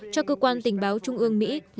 cho cơ quan tình báo trung ương mỹ